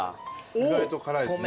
意外と辛いですね。